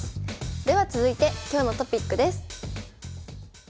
では続いて今日のトピックです。